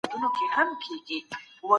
د کلیوالو کډوالي ښارونه ګڼه ګوڼه کوي.